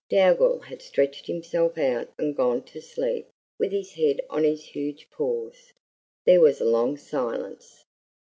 Dougal had stretched himself out and gone to sleep with his head on his huge paws. There was a long silence.